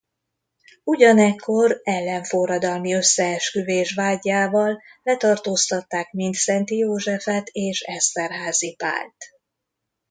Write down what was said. Ugyanekkor ellenforradalmi összeesküvés vádjával letartóztatták Mindszenty Józsefet és Esterházy Pált.